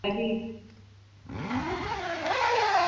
jamhuri ya kidemokrasia ya yatoa ushahidi